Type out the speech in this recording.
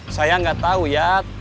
saya gak tau ya